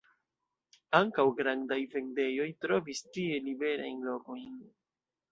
Ankaŭ grandaj vendejoj trovis tie liberajn lokojn.